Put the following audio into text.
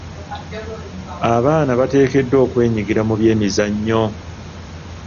Abaana bateekeddwa okwenyigira mu by'emizannyo..